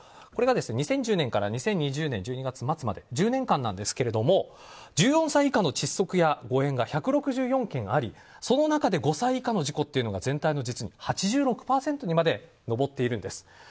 これが２０１０年から２０２０年１２月末までの１０年間なんですが１４歳以下の窒息や誤嚥が１６４件ありその中で５歳以下の事故は全体の実に８６％にまで上っているんです。